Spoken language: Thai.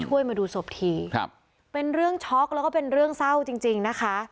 มาดูศพทีครับเป็นเรื่องช็อกแล้วก็เป็นเรื่องเศร้าจริงจริงนะคะ